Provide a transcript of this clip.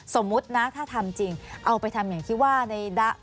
สมมุตินะถ้าทำจริงเอาไปทำอย่างที่ว่าในดะ